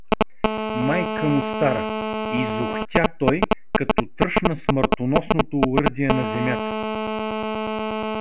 — Майка му стара!… — изохтя той, като тръшна смъртоносното оръдие на земята.